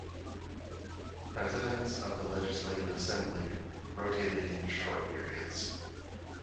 Presidents of the Legislative Assembly rotated in short periods.